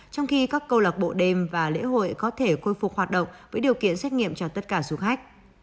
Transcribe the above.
trong khi các câu lạc bộ đêm và lễ hội có thể khôi phục hoạt động với điều kiện xét nghiệm cho tất cả du khách